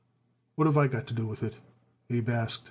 "What have I got to do with it?" Abe asked.